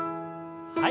はい。